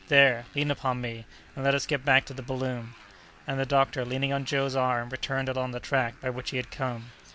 There! lean upon me, and let us get back to the balloon." And the doctor, leaning on Joe's arm, returned along the track by which he had come.